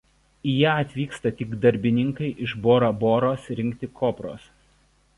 Į ją atvyksta tik darbininkai iš Bora Boros rinkti kopros.